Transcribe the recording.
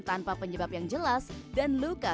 tanpa penyebab yang jelas dan luka